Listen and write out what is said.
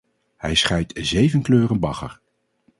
Hij schijt zeven kleuren bagger.